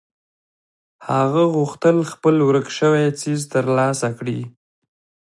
هغه غوښتل خپل ورک شوی څيز تر لاسه کړي.